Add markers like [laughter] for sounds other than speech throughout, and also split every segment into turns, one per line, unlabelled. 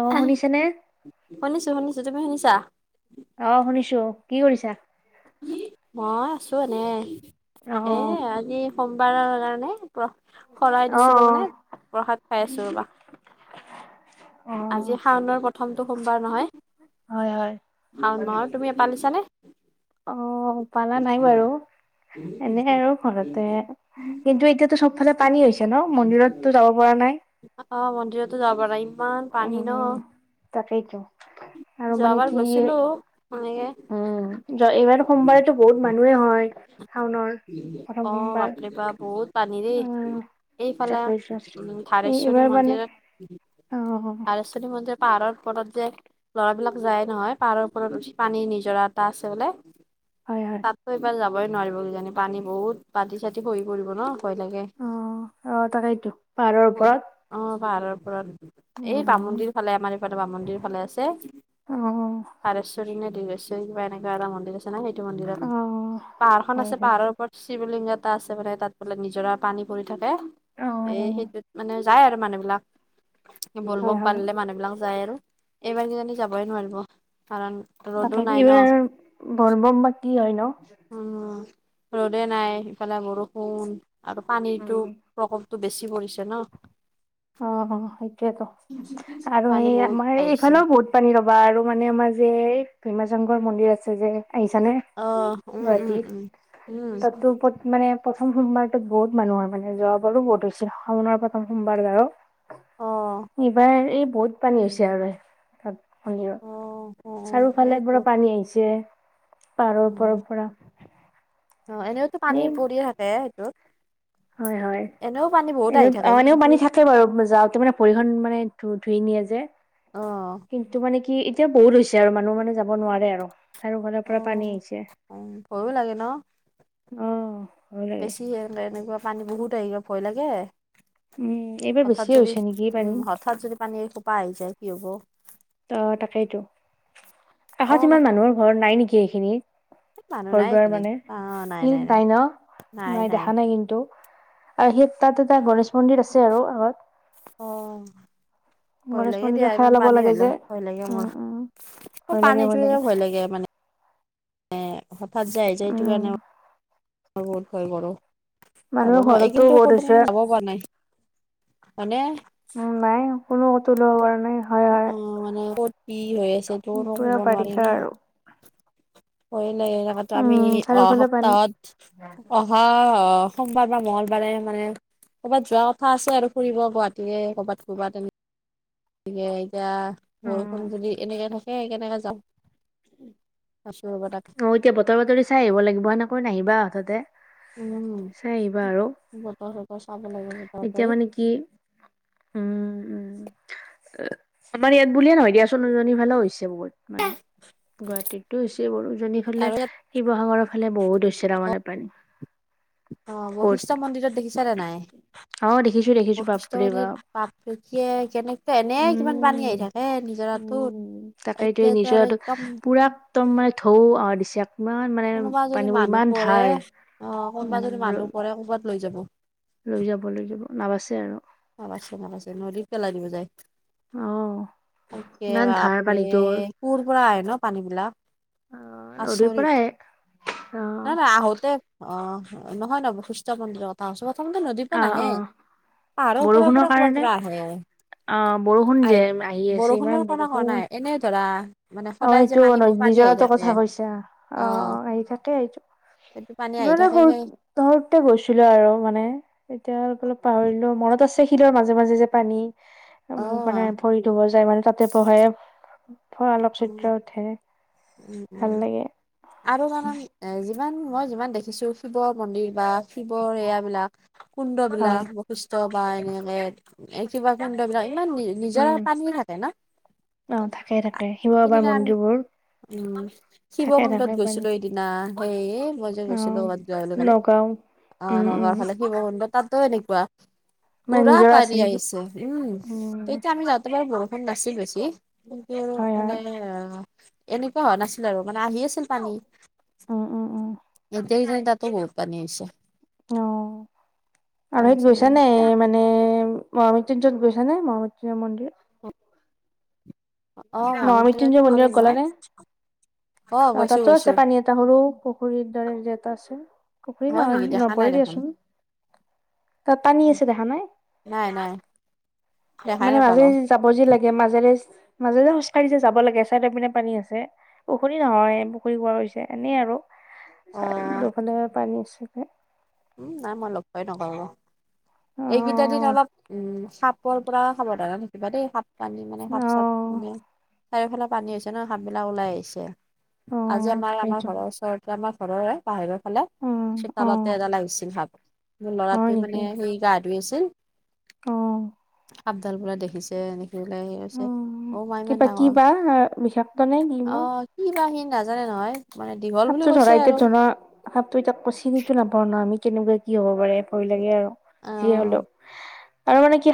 অ শুনিছেনে
শুনিছো শুনিছো তুমি শুনিছা?
অ', শুনিছো কি কৰিছা?
মই আছো এনে
অ
এ আজি সোমবাৰৰ কাৰণে প্ৰ শৰাই
অ
দিছিলো মানে প্ৰসাদ খাই আছো ৰবা।
[inaudible]
আজি শাওনৰ প্ৰথমটো সোমবাৰ নহয়
হয় হয়
শাওন মাহৰ তুমি পালিছা নে?
অ', পালা নাই বাৰু। এনেকে আৰু ঘৰতে কিন্তু এতিয়াতো চবফালে পানী হৈছে ন মন্দিৰতো যাব পৰা নাই।
আহ, মন্দিৰো যাব পাৰা ইমান পানী ন।
উম তাকেইতো আৰু মানে
যোৱাবাৰ
কি
গৈছিলো সেনেকে।
উম এইবাৰ সোমবাৰেতো বহুত মানুহে হয় শাওনৰ প্ৰথম
অ',
সোমবাৰ
বাপৰে বাপ বহুত পানিৰে।
উম
এইফালে
তাকেইতো
উ
এই
থাৰেশ্বৰী
এইবাৰ মানে
মন্দিৰৰ
অ'।
আৰশ্বনী মন্দিৰ পাহাৰৰ ওপৰত যে ল'ৰাবিলাক যায় নহয় পাহাৰৰ ওপৰত উঠি পানী নিজৰা এটা আছে বোলে।
হয় হয়
তাততো এইবাৰ যাওঁ বই নোৱাৰিব কিজানি পানী বহুত পাতি চাতি শহি পৰিব ন' ভয় লাগে।
অ অ তাকেইতো পাহাৰৰ ওপৰত
অ', পাহাৰৰ উপৰত এই
উম
বামন্দিৰ ফালে আমাৰ ইফাল বাম মন্দিৰ ফালে আছে।
অ'।
[unintelligible] কিবা এনেকুৱা এটা মন্দিৰ আছে ন' সেইটো মন্দিৰত।
অ',
পাহাৰ খন
হয়,
আছে
হয়,
পাহাৰৰওপৰত শিৱলিংগ এটা আছে মানে তাত বোলে নিজৰা পানী পৰি থাকে এই
অ',
সেইটোত মানে যায় আৰু মানুহবিলাক। বল
হয়,
বম
হয়,
পালে মানুহবিলাক যায় আৰু এইবাৰ কেইজানী যাবই নোৱাৰিব কাৰণ ৰ'দো
তাকে
নাই ন
এইবাৰ বল বম বা কি হয় ন'।
উম, ৰ'দে নাই ইফালে বৰষুণ আৰু পানীতটো
উম।
প্ৰকো তো বেছি কৰিছে।
অ', অ', সেইটোৱেইতো আৰু
পানী
সেই
বহুত
আমাৰ
আহিছে।
এইফালেও বহুত পানী ৰ'বা আৰু মানে আমাৰ যে এই ভীমাচংঘৰ মন্দিৰ আছে যে আহিছানে?
আহ উম, উম,
গুৱাহাটীত?
উম, উম।
তাতো মানে প্ৰথম সোমবাৰতো বহুত মানুহ হয় মানে যোৱাবাৰো বহুত হৈছিল শাওণৰ প্ৰথম সোমবাৰ বাৰু।
অ',
এইবাৰ এই বহুত পানী হৈছে আৰু তাত। মন্দিৰত
অ', অ',
চাৰিওফালে
সেইটো।
পুৰা পানী আহিছে। পাহাৰৰ
উম,
ওপৰৰ পৰা
অঁ, এনেওতো পানী
এই
পৰি থাকে সেইটোত।
হয়, হয়,
এনেও পানী বহুত আহি
এনেও
থাকে
অঁ এনেও
কিন্তু
পানী থা- বাৰু যাওঁতে মানে ভৰিখন মানে ধু ধুই নিয়ে যে
অ',
কিন্তু মানে কি- এতিয়া বহুত হৈছে আৰু মানুহ মানে যাব নোৱাৰে আৰু। চাৰিওফালৰ পৰা
অঁ,
পানী আহিছে
উম ভয়ো লাগে ন'।
অ ভয় লাগে
বেছি হে এনেকুৱা পানী বহুত আহিব ভয় লাগে।
উম এইবাৰ
হঠাৎ
বেছিয়ে
যদি
হৈছে নেকি পানী
উম, হঠাৎ যদি পানী এসোপা আহি যায় কি হব!
অঁ, তাকেইতো কাষত
অ',
ইমান মানুহৰ ঘৰত নাই নেকি এইখিনিত।
এই মানুহ
ঘৰ
নাই
-দুৱাৰ
এইখিনিত।
মানে
অ', নাই, নাই,
সেইখিনিত
নাই,
পাই ন' নাই দেখা নাই কিন্তু। আৰু সেই তাত এটা গণেশ মন্দিৰ আছে আৰু আগত।
অঁ'। ভয়
গণেশ
লাগে দিয়া
মন্দিৰৰ সেৱা
ইমান
ল'ব
পানী
লাগে
হৈলে
যে
ভয় লাগে
উম
মোৰ,
উম
মোৰ পানীটোয়ে ভয় লাগে মানে। এ হঠাৎ যে আহি যায় এইটো
উম
কাৰণে। মই বহুত ভয় কৰো, যাব
মানুহৰ
নোৱাৰো। এই
ঘৰতো
কিন্তু
বহুত
ক'তো
হৈছে
মই যাব পৰা নাই। মানে-
উম নাই কোনো কতো ওলাব পৰা নাই হয় হয়।
অঁ মানে কত কি হৈ আছে তো কব
পুৰা
নোৱাৰিম
বাৰিষা
ন।
আৰু
ভয় লাগে এনে আমি
উম,
অঁ
চাৰিওফালে পানী।
সপ্তাহত অঁ- অঁ, অঁ সোমবাৰ বা মঙ্গলবাৰে মানে- ক'ৰবাত যোৱা কথা আছে আৰু ফুৰিব গুৱাহাটীয়ে কৰ'বাত ক'ৰবাত তেনেকে। গতিকে এতিয়া
উম,
বৰষুণ যদি এনেকে থাকে- সেই কেনেকে যাওঁ, আছো ৰব তাক-
অঁ, এতিয়া বতৰ বাতৰি চাই আহিব লাগিব সেনেকৈ নাহিবা হৎঠাতে।
উম, বতৰ বতৰ চাব লাগিব বতৰ
এতিয়া
বাতৰি।
মানে কি? উম, উম। অঁ, আমাৰ ইয়াত বুলিয়ে নহয় দিয়াচোন উজনি ফালেও হৈছে বহুত। মানে গুৱাহাটীতটো হৈছে উজনি
আৰু
ফালে-
ইয়াত
শিৱসাগৰৰ ফালে বহুত হৈছে তাৰ মানে পানী।
অঁ
ক'ত
বশিষ্ঠ মন্দিৰতো দেখিছ নে নাই?
অ' দেখিছো দেখিছো
বশিষ্ঠ
বাপৰে
মন্দিৰ
বাপ
পাপ দেখিয়ে কেনেকে এনে কিমান পানী
উম।
আহি থাকে- থাকে
উম তাকে
নিজৰাটোত
এতিয়া
এতিয়াতো
নিজৰ
আৰু একদম-
পুৰা একদম মানে ঢৌ আহা দিছে, ইমান মানে
কোনোবা যদি
পানীবোৰ
মানুহ
ইমান
পৰে
ধাৰ
অ কোনোবা যদি মানুহ
উম।
পৰে ক'ৰবাত লৈ যাব।
লৈ যাব, লৈ যাব নাবাচে আৰু।
নাবাচে, নাবাচে নদীত পেলাই দিব যায়।
অ
সেনেকে
ইমান ধাৰ পানীটোৰ
বাপৰে কোৰ পৰা আহে ন পানী বিলাক?
অঁ নদী পৰা আহে।
নাই নাই আহোতে অঁ নহয় নহয় বশিষ্ঠ মন্দিৰৰ কথা কৈছোঁ প্ৰথমতে নদীৰ
অ
পৰা নাহে।
অ
আৰু ক'ৰবাৰ
বৰষুণৰ কাৰণে
পৰা আহে?
অ বৰষুণ
আহ
যে আহি আছে ইমান
বৰষুণৰ কমা কমা
বৰষুণ
নাই এনে ধৰা মানে-
অ
সদায় যে
এইটো
পানী পানী আহি
নিজৰাটো কথা
থাকে,
কৈছা অ
অঁ।
অ আহি থাকে এইটো
সেইটো পানী আহি
মানে
থাকেহে।
সৰু থাকোঁতেই গৈছিলোঁ আৰু মানে এতিয়া অলপ পাহৰিলো মনত আছে। শিলৰ মাজে-মাজে যে পানী
অ
মানে ভৰি ধুব যায় মানে তাতে বহে। হয় অলপ
উম
চিত্ৰ উঠে।
উম, উম,
ভাল লাগে
আৰু কাৰন এ যিমান মই যিমান দেখিছো শিৱৰ মন্দিৰ বা শিৱৰ এয়া বিলাক, কুণ্ড
হয়
বিলাক বশিস্থ বা এনেকে কিবা কুণ্ড বিলাক ইমান মিল
উম
নিজৰাৰ পানী থাকে ন'
অ থাকে থাকে শিৱবাবাৰ
সেইদিনা আমি
মন্দিৰবোৰ
উম, শিৱ
থাকে থাকে
মন্দিৰত
পানী
গৈছিলো সেই দিনা সেই মই যে
অ
গৈছিলো ক'ত যোৱা বুলি কলে।
নগাঁও
অ,
উম উম
নগাঁৱৰ ফালে শিৱ কুন্দ তাতেও এনেকুৱা।
মানে
পুৰা
নিজৰা আছে
পানী
নেকি
আহিছে উম,
উম
তেতিয়া আমি যাব। ৰাতি পুৱা বৰষুণ নাচিল বেছি কিন্তু
হয় হয়
মানে অ, এনেকুৱা হোৱা নাছিল আৰু মানে আহি আছিল পানী।
উম, উম, উম,
এতিয়া কিজানি তাটো বহুত পানী আহিছে।
অ, আৰু সেইত
তাৰপিছত
গৈছা
মানে
নে
এ
মানে? মানে মহামৃত্যঞ্জত গৈছা নে মহামৃত্যঞ্জয় মন্দিৰ
অ, মৃত্যুঞ্জয়টো
মহামৃত্যুঞ্জয়
গ'লো
মন্দিৰত গ'লা
নহয়।
নে অ,
গৈছো
তাতো
গৈছো
আছে পানী এটা সৰু পুখুৰীৰ দৰে যে এটা আছে। পুখুৰী
হয়
নহয়
নেকি দেখা নাই
নপৰে
দেখোন
দিয়াচোন। তাত পানী আছে দেখা নাই।
নাই নাই দেখাই
মানে
নাপালো
মাজেদি যাব যি লাগে মাজেৰে মাজেৰে খোজকাঢ়িছে যাব লাগে চাৰিওটাৰ পিনে পানী আছে। পুখুৰী নহয় পুখুৰী কোৱা হৈছে এনেই আৰু
অ
চ দুফালে পানী আছে যে।
উম, নাই মই লগ পাই নকৰো। এইকেইটা দিন
অ',
অলপ উম, সাপৰ পৰা সাৱধানে থাকিবা দেই সাপ। পানী মানে সাপ চাপ
অ',
মানে চাৰিওফালে পানী হৈছে ন সাপ বিলাক ওলাই আহিছে। আজি
অ',
আমাৰ আমাৰ
তাকেইতো
ঘৰৰ ওচৰতে আমাৰ ঘৰৰে বাহিৰত ফালে
অ',
চতালতে
অ',
এডাল লাগিছিল ভাব মোৰ
হয়
ল'ৰাটোৱে মানে
নেকি
সেই গা ধুই আছিল।
অ',
সাপডাল বুলে দেখিছে এনেকৈ ওলাই আহিছে
অ',
বোলে।
কিবা কিবা বিষাক্ত নে কিবা।
কিবা সি নাজানে নহয়। মানে দীঘল বুলি
সাপতটো
কৈছে
ধৰা ভিতৰ
আৰু
ধৰা সাপতো এতাকতো চিনিয়ে নাপাওঁ ন আমি কেনেকুৱা কি হব পাৰে ভয় লাগে আৰু
অ
যি হ'লেও। আৰু মানে কি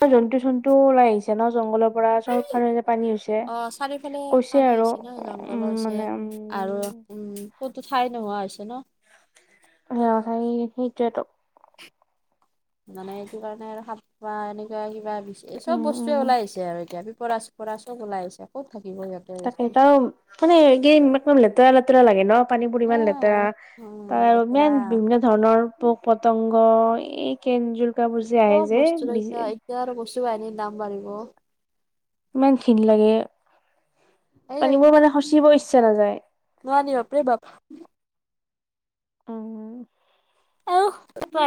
ন জন্তু জন্তু ওলাই আহিছে ন জংলৰ পৰা চফ পানী হৈছে।
অ, চাৰিওফালে
কৈছে
পানী
আৰু
হৈছে ন
উম
জংঘল
মানে
হৈছে
উম
আৰু, উম, ক'তো ঠাই নোহোৱা হৈছে ন।
সেয়ে কথা সেইটোতো,
মানে এইটো কাৰণে আৰু সাপ পোৱা এনেকুৱা কিবা এই
উম
চব
উম
বস্তুৱে ওলাই আহিছে আৰু এতিয়া পিপৰা পৰা চব ওলাই আহিছে ক'ত থাকিব ই।
তাকে তও মানে কি এক লেতেৰা-লেতেৰা লাগে ন। পানীৰ
এ
পৰিমান লেতেৰা
উম
তাৰ
বেচেৰা
ইমান বিভিন্ন ধনৰ পোক পতংগ এই কেনজুলোকাবোৰ যে আহে
চব
যে,
বস্তুৰে
বি
এতিয়া এতিয়া আৰু বস্তু এনে দাম বাঢ়িব।
ইমান খিনি লাগে
এই
পানীবোৰ
এইকেইদিন
মানে সচিব ইচ্ছা নাযায়।
নোৱাৰি বাপৰে বাপ।
উম
অহ,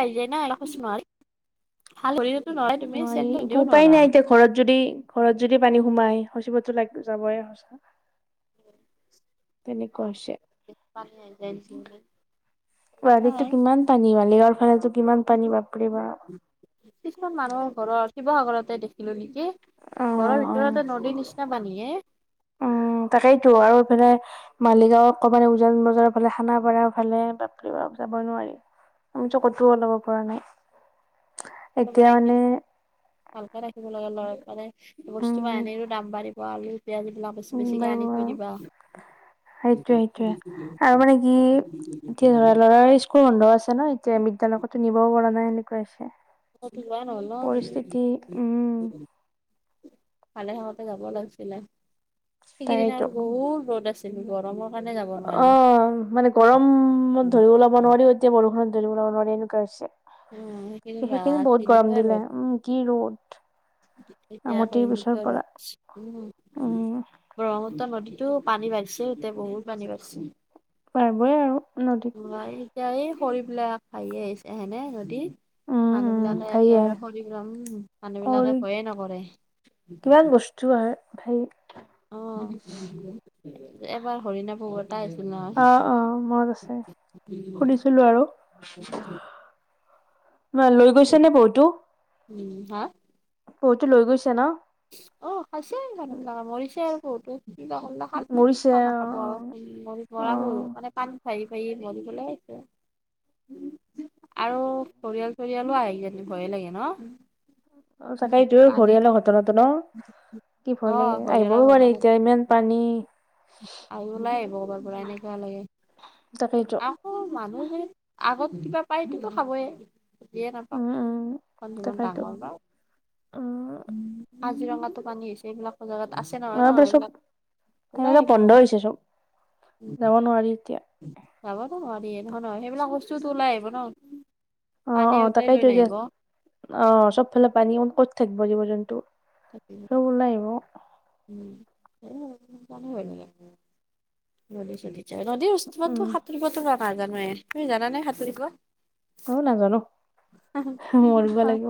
আহি যায় না এবাকচ মান। হাল ধৰিওটো নোৱাৰাই তুমি।
নোৱাৰি
চেনটো ধৰিও
উপায়
নোৱাৰা।
নাই এতিয়া ঘৰত যদি, ঘৰত যদি পানী সোমাই সচিবতো লাগ যাবই সঁচা। তেনেকুৱা হৈছে।
[unintelligible]
গুৱাহাতীতটো কিমান পানী? মালিগাঁৱৰ ফালেটো কিমান পানী? বাপৰে বাপ।
কিছুমান মানুহৰ ঘৰত। শিৱসাগৰতে দেখিলো নেকি?
অ',
ঘৰৰ
অ',
ভিতৰতে নদীৰ নিছিনা পানী সে।
উম, তাকেইটো আৰু এইফালে মালিগাঁও, একেবাৰে উজান বজাৰৰ ফালে, খানাপাৰ ফালে বাপৰে বাপ যাবই নোৱাৰি। মই যে কতো ওলাব পৰা নাই।
হ'ব
এতিয়া
দে,
মানে
কিন্তু ভালকে ৰাখিব লগে লৰা বিলাকে। বস্তুৰ বা
উম,
এনেইয়ো দাম বাঢ়িব। আলু পিয়াজ এই বিলাক বস্তু
উম,
বেছিকে
বাৰু
আনি থৈ দিবা।
সেইটোৱে, সেইটোৱে আৰু মানে সি এ ধৰা ল'ৰা। স্কুল বন্ধ আছে ন? এতিয়া বিদ্যালয়টো নিবও পৰা নাই। সেনেকুৱাই আছে।
মই কিবা অনুৱাঁও নেকী?
উম,
ভালে হঁওতে যাব লাগিছিলে। সেইকেইদিন
তাকেইতো।
আৰু বহুত ৰ'দ আছিল। গৰমত।
অঁ, মানে গৰমত
উম
ধৰি ওলাব নোৱাৰি। এতিয়া বৰষুণত ধৰি ওলাব নোৱাৰি। এনেকুৱা হৈছে।
সেইকেইদিন
সেই
বা
কেইদিন বহুত গৰম
কেনেকুৱা ৰ'দ
দিলে। উম, কি ৰ'দ!
এতিয়া
আমতিৰ পিছৰ
আকৌএনেকোৱা
পৰা
ৰ'দ। উম ব্ৰহ্মপুত্ৰ নদীটো পানী বাঢ়িছে। এতিয়া বহুত পানী বাঢ়িছে।
বাঢ়িবই আও নদীত।
নোৱাৰি। এতিয়া এই খৰিবিলাক ফালিয়ে আহিছে হয়নে সিহঁতি?
উম
মানুহ
উম
বিলাকে
সেয়ে
একেবাৰে হৰি ৰাম, মানুহ
কৰি
বিলাকে ভয়ে নকৰে।
যোৱাৰ ধেই
অঁ, এইবাৰ হৰিণাপুৰ গ'ল। পাইছে ন'?
অঁ, অঁ মনত আছে, সুধিছিলো আৰু। কোনোবাই লৈ গৈছে নে পহুটো?
উম, হাঁ?
পহুটো লৈ গৈছে ন'?
অঁ, খাইছে মানুহ বিলাকে, মৰিছে আৰু পহুতো কি বা কৰিল আ
মৰিছে
খানা
অ
খাব আৰু মৰি
অ
মৰা পহু মানে, পানীত ভাহি ভাহি মৰিপেলাই আহিছে। আৰু ঘঁৰিয়াল-চৰিয়ালো আহি যায় বুলি ভয়ে লাগে ন'?
অ, তাতে এইটো
পানীত
ঘঁৰিয়ালৰ ঘটনাটো ন'? কি ভয়
অ
লাগে
হৰিয়ালৰ
আহিবও পাৰে এতিয়া ইমান পানী।
আহি--ওলাই আহিব ক'ৰবাৰ এনেকুৱা লাগে।
তাকেইটো।
আকৌ মানুহে যদি আগত কিবা পাই সেইটোতো খাবই। উঠিয়ে নাপাওঁ
উম উম
এইখন যিমান
তাকেইতো
ডাঙৰ নাওঁ।
উম
কাজিৰঙাতো পানী হৈছে। এইবিলাক বজাৰত আছে ন'? নহয়
আমাৰ ফালে চব
এইবিলাক ওলাই
এইবিলাক
আহিব
বন্ধ হৈছে চব যাব, নোৱাৰি এতিয়া।
যাবটো নোৱাৰি এনেকোৱা ন' সেইবিলাক বস্তুটো ওলাই আহিব ন'?
অ অ
পানীয়ে উটাই লৈ
তাকেইতো যে
নাহিব
অ চবফালে পানী ক'ত থাকিব জীৱ জন্তু।
তাকে হে।
চব ওলাই আহিব।
উম সেই [unintelligible] নদী চদি নদী ষ্টীলটো
উম,
সাঁতৰিবো নাজানোৱে, তুমি জানা নে সাঁতুৰিব?
এ নাজানো।
আন
মৰিব
অ
লাগিব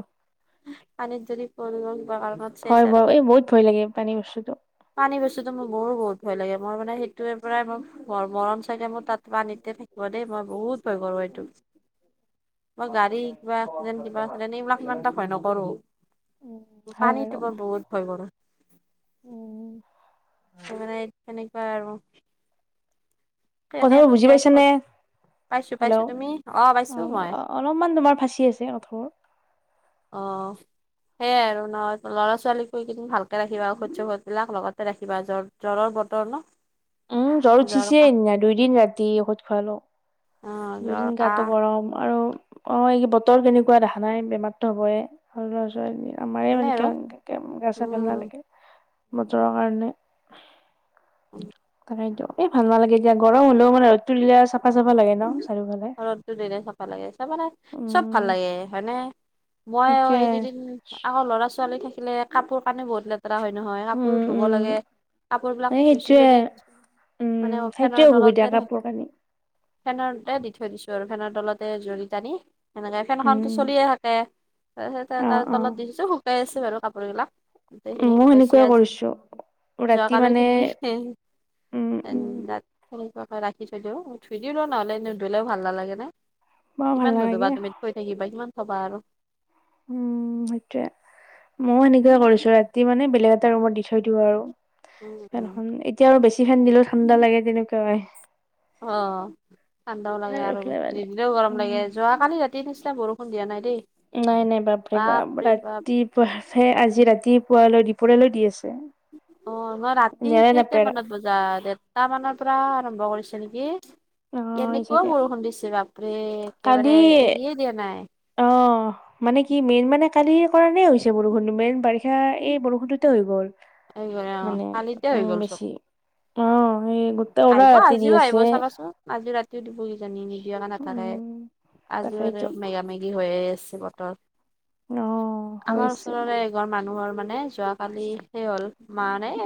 পানীত যদি পৰীগল কিবা কাৰণত চেচ
হয়
আৰু
বাৰু এই বহুত ভয় লাগে পানী বস্তুটো
পানী বস্তুো মোৰ মোৰো বহুত ভয় লাগে মই মানে সেইটোৱে পৰাই মই ম মৰম চাগে মোৰ তাত পানীতে থাকিব দেই মই বহুত ভয় কৰো এইটো। মই গাড়ী শিকিবা আছিলেন কিবা আছিলেন এইবিলাক ইমান এটা ভয় নকৰো।
উম, হয় বাৰু
পানীটো বহুত ভই কৰো।
উম,
সেই মানে তেনেকুৱা আৰু কেনে
কথাবোৰ বুজি
কতিয়া
পাইছ
ক'ত
নে?
পাইছো
হেল্ল'
পাইছো তুমি পাইছো
অ
মই
অলপমান তোমাৰ ফাঁচি আছে কথাবোৰ।
অহ। সেয়াই আৰু নহয় ল'ৰা ছোৱালীক কৈ কিনি ভালকে ৰাখিবা সূৰ্যসধবিলাক লগতে ৰাখিবা যৰ জৰৰ বতৰ ন
উম জ্বৰ উঠিছে এদিনা দুইদিন ৰাতি ঔষধ খোৱালো।
অ জ্বৰ
দুইদিন গাতো
কাহ
গৰম আৰু অঁ এই বতৰ যেনেকুৱা দেখা নাই বেমাৰটো হ'বই, ল'ৰা ছোৱালী আমাৰেই
তেনে আৰু
[unintelligible] গা চা ভাল
উম
নালাগে বটৰৰ কাৰণে।
[unintelligible]
তাকটো এই ভাল নালাগে দিয়া গৰম হ'লেও মানে ৰদটো দিলে চফা চাফা লাগে ন চাৰিওফালে।
ৰদটো দিলে চফা লাগে, তাৰমানে চব ভাল
উম,
লাগে হয়নে, মই আৰু
সেইটোৱে
এই কিদিন আকৌ ল'ৰা ছোৱালী থাকিলে কাপোৰ কানি বহুত লে ত্ৰাৰা হয় নহয়, কাপোৰ
উম
ধুব
উম
লাগে কাপোৰ বিলাক
এই
ধুইছো
সেইটোৱে
যদি
উম
মানে অ
সেইটোৱে
ফেনৰ
অসুবিধা
তলতে ধা
কাপোৰ কানি
ফেনৰতে দি থৈ দিছো আৰু ফেনৰ তলতে জুৰী টানি। সেনেকে
উম
ফেনখনতো চলিয়ে থাকে তাৰপিছতে
অ
তাৰ
অ
তলত দি দিছো শুকাই আছো বাৰু কাপোৰবিলাক। গোটেই
ময়ো
খিনি
সেনেকুৱাই
আজি,
কৰিছো ৰাতি
যোৱাকালি
মানে
খিনি
উম উম
এনেক নিজকে ৰাখি থইদিও। ধুই দিওঁ ৰ নহ'লে নুধলেও ভাল নালাগে নে
বৰ ভাল
কিমান
নালাগে
নুধুবা তুমি থৈ থাকিবা কিমান থবা আৰু
উম সেইটোয়ে মৌ এনেকে কৰিছো ৰাতি মানে বেলেগ এটা ৰুমত দি থৈ দিওঁ আৰু। ফেন
উম,
খন এতিয়া আৰু বেছি ফেন দিলেও ঠাণ্ডা লাগে তেনেকই।
অ ঠাণ্ডাও লাগে আৰু
এইফালে মানে
নিদিলেও গৰম লাগে
উম
যোৱাত কালি ৰাতি নিশ্চয় বৰষুণিয়া নাই দেই।
নাই নাই বাপেৰে বাপ ৰাতিপুৱাে আজি ৰাতিপুৱালৈ দুপৰলৈ দি আছে।
অ মই ৰাতি
নেৰা
কেইটা
নেপেৰা
মানত বজ ৰাত ডেৰটা মানৰ পৰা আৰম্ভ কৰিছো নেকি।
অ'
এনেকুৱা
চাগে
বৰষুণ দিছে বাপৰে
কালি
একেবাৰে এৰিয়ে দিয়া নাই।
অ' মানে কি মেইন মানে কালিয়ে কাৰণে হৈছে বৰষুণটো মেইন বাৰিষা এই বৰষুণটোতে হৈ গ'ল।
অ',
মানে
কালিতে হৈ
উম
গ'ল চব
বেছি অ সেই গো ত উলা
আহিব
ৰাতি দি
আজিও আহিব
আছে।
চাবাচোন আজি ৰাতিও দুবৰী জানী নিদিয়া কাৰনে থাকে
উম
আজি মানে
তাকেইতো
মেগা মাইক যি হৈয়ে আছে বতৰত
অ'
আমাৰ
হৈছে।
ওচৰৰে এঘৰ মানুহৰ মানে যোৱ কালি, সেই হ'ল মা নে